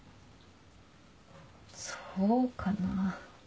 そうかな。